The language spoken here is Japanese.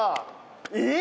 えっ！